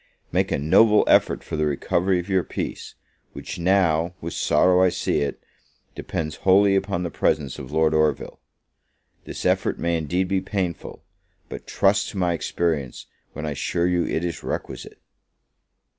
Make a noble effort for the recovery of your peace, which now, with sorrow I see it, depends wholly upon the presence of Lord Orville. This effort may indeed be painful; but trust to my experience, when I assure you it is requisite.